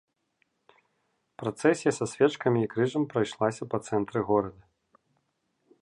Працэсія са свечкамі і крыжам прайшлася па цэнтры горада.